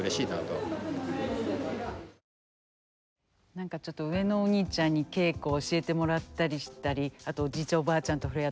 何かちょっと上のお兄ちゃんに稽古教えてもらったりしたりあとおじいちゃんおばあちゃんと触れ合ったり。